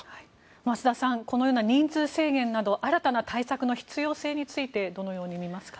増田さん、このような人数制限など新たな対策の必要性についてどのように見ますか？